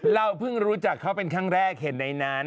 เราเพิ่งรู้จักเขาเป็นครั้งแรกเห็นในนั้น